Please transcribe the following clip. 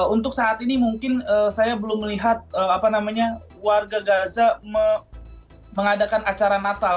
untuk saat ini mungkin saya belum melihat warga gaza mengadakan acara natal